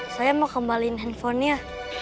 saya mau kembaliin handphonenya